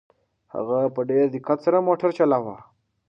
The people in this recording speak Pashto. هغه په ډېر دقت سره موټر چلاوه.